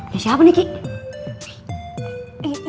ya siapa nih gigi